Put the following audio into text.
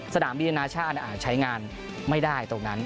สนามบินอนาชาติใช้งานไม่ได้ตรงนั้น